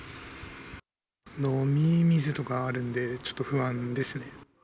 飲み水とかあるんで、ちょっと不安ですね。